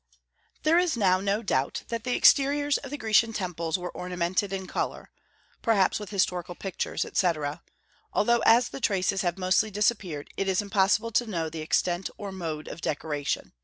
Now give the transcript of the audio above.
There is now no doubt that the exteriors of the Grecian temples were ornamented in color, perhaps with historical pictures, etc., although as the traces have mostly disappeared it is impossible to know the extent or mode of decoration.